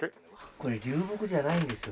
これ流木じゃないんですよ。